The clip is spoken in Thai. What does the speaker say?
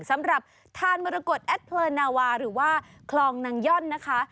สำหรับทานมรกฏแอดเพลินนาวาหรือว่าคลองนางย่อนนะคะ